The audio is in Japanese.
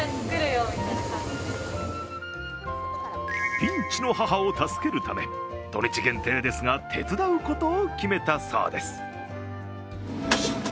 ピンチの母を助けるため土日限定ですが手伝うことを決めたそうです。